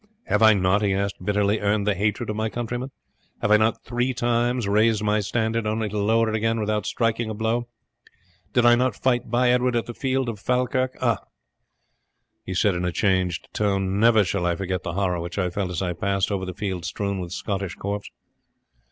Have I not," he asked bitterly, "earned the hatred of my countrymen? Have I not three times raised my standard only to lower it again without striking a blow? Did I not fight by Edward at the field of Falkirk? Ah!" he said in a changed tone, "never shall I forget the horror which I felt as I passed over the field strewn with Scottish corpses.